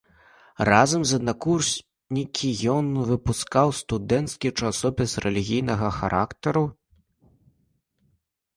Разам з аднакурснікі ён выпускаў студэнцкі часопіс рэлігійнага характару.